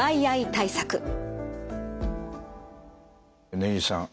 根岸さん